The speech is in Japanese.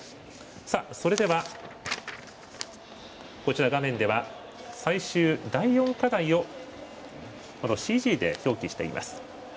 それでは画面では最終、第４課題をＣＧで表記しています。